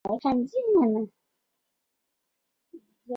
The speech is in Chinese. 伊犁小檗是小檗科小檗属的植物。